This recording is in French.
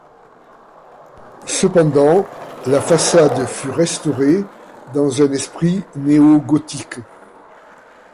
Cependant, la façade fut restaurée dans un esprit néo-gothique.